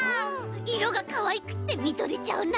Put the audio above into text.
いろがかわいくってみとれちゃうな！